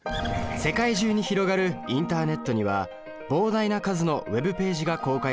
世界中に広がるインターネットには膨大な数のＷｅｂページが公開されています。